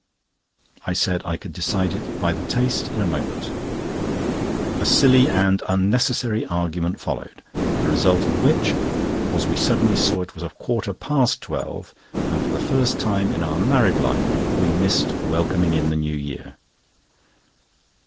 I said I could decide it by the taste in a moment. A silly and unnecessary argument followed, the result of which was we suddenly saw it was a quarter past twelve, and, for the first time in our married life, we missed welcoming in the New Year.